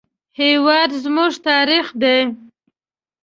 هېواد زموږ تاریخ دی